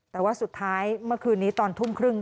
แต่ว่าสุดท้ายเมื่อคืนนี้ตอนทุ่มครึ่ง